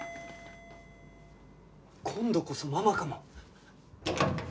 今度こそママかも！